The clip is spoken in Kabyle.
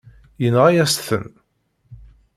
Yenɣa-yas-ten.